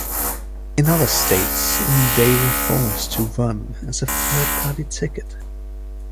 In other states, they were forced to run as a third-party ticket.